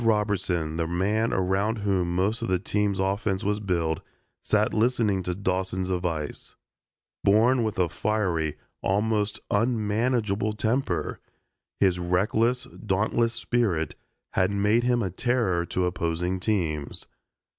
Ted Robertson, the man around whom most of the team's offense was built, sat listening to Dawson's advice. Born with a fiery, almost unmanageable temper, his reckless, dauntless spirit had made him a terror to opposing teams.